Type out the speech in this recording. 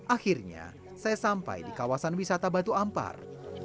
akhirnya saya sampai di kawasan wisata batu ampar